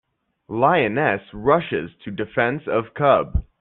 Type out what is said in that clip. Lioness Rushes to Defense of Cub.